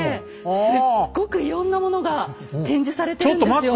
すっごくいろんなものが展示されてるんですよ。